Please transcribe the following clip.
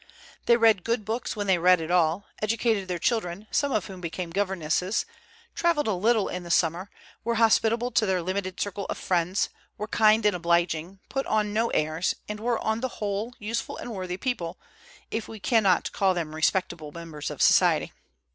They read good books when they read at all, educated their children, some of whom became governesses, travelled a little in the summer, were hospitable to their limited circle of friends, were kind and obliging, put on no airs, and were on the whole useful and worthy people, if we can not call them "respectable members of society."